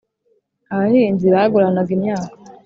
abahinzi baguranaga imyaka